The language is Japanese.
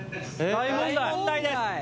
「大問題です！」。